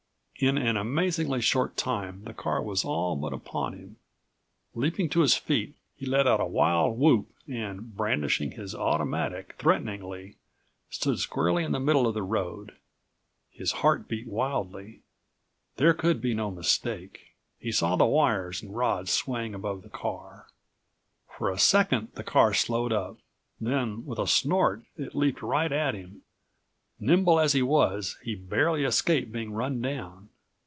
In an amazingly short time the car was all but upon him. Leaping to his feet, he let out a wild whoop and, brandishing his automatic threateningly, stood squarely in the middle of the road. His heart beat wildly. There could be no mistake. He saw the wires and rods swaying above the car. For a second the car slowed up, then, with a72 snort it leaped right at him. Nimble as he was, he barely escaped being run down.